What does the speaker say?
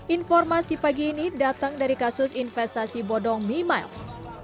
informasi pagi ini datang dari kasus investasi bodong mimiles